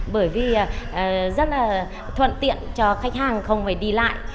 bởi vì rất là thuận tiện cho khách hàng không phải đi lại